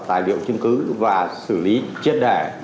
tài liệu chứng cứ và xử lý chiết đẻ